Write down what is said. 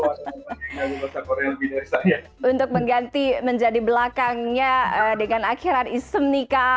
bahasa korea lebih dari saya untuk mengganti menjadi belakangnya dengan akhirat ism nikah